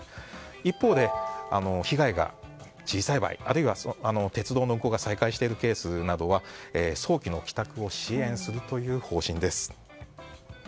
一方で、被害が小さい場合や鉄道の運行が再開しているケースは早期の帰宅を支援するという方針です。